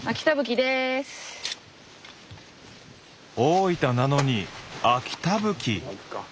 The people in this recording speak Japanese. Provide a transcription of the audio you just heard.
大分なのに秋田ぶき。